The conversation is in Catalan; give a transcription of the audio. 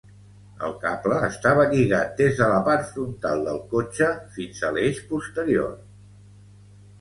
El cable estava lligat des de la part frontal del cotxe fins a l'eix posterior.